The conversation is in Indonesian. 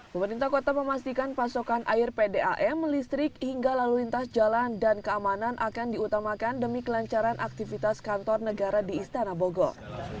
pemerintah kota memastikan pasokan air pdam listrik hingga lalu lintas jalan dan keamanan akan diutamakan demi kelancaran aktivitas kantor negara di istana bogor